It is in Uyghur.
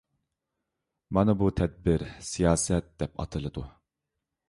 مانا بۇ تەدبىر سىياسەت دەپ ئاتىلىدۇ.